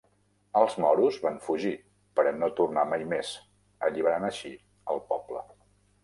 Els Moros van fugir per a no tornar mai més, alliberant així el poble.